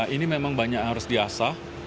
ini memang banyak yang harus diasah